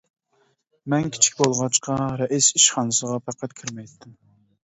مەن كىچىك بولغاچقا رەئىس ئىشخانىسىغا پەقەت كىرمەيتتىم.